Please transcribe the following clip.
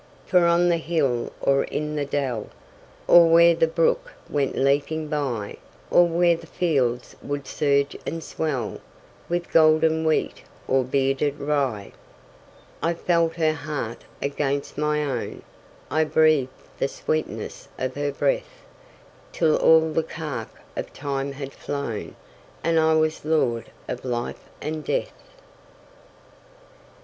For on the hill or in the dell, Or where the brook went leaping byOr where the fields would surge and swellWith golden wheat or bearded rye,I felt her heart against my own,I breathed the sweetness of her breath, Till all the cark of time had flown, And I was lord of life and death.